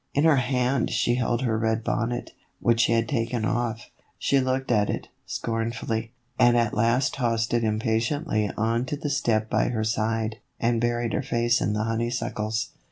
In her hand she held her red bonnet, which she had taken off ; she looked at it, scornfully, and at last tossed it impatiently on to the step by her side, and buried her face in the honeysuckles.